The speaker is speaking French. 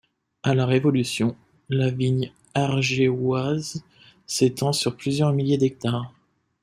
À la Révolution, la vigne ariégeoise s'étend sur plusieurs milliers d'hectares.